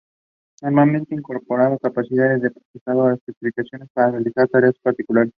Normalmente, incorporando capacidades de procesado especializadas para realizar tareas particulares.